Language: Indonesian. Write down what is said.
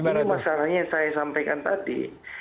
mas yudha masalahnya yang saya sampaikan tadi